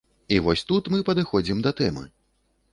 І вось тут мы падыходзім да тэмы.